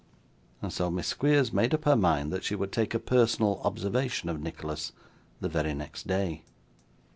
And so Miss Squeers made up her mind that she would take a personal observation of Nicholas the very next day.